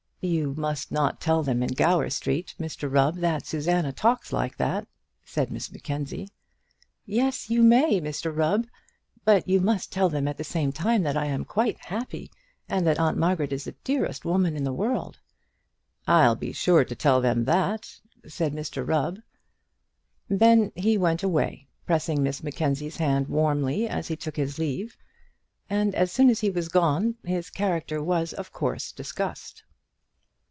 "You must not tell them in Gower Street, Mr Rubb, that Susanna talks like that," said Miss Mackenzie. "Yes, you may, Mr Rubb. But you must tell them at the same time that I am quite happy, and that Aunt Margaret is the dearest woman in the world." "I'll be sure to tell them that," said Mr Rubb. Then he went away, pressing Miss Mackenzie's hand warmly as he took his leave; and as soon as he was gone, his character was of course discussed.